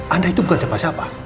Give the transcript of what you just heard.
anda itu bukan siapa siapa